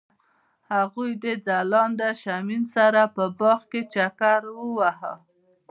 هغوی د ځلانده شمیم سره په باغ کې چکر وواهه.